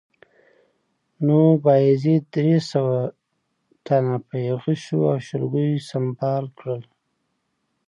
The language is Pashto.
نو بایزید درې سوه تنه په غشو او شلګیو سنبال کړل